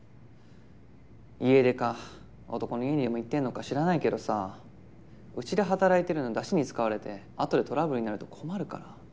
家出か男の家にでも行ってるのか知らないけどさうちで働いてるのだしに使われてあとでトラブルになると困るから。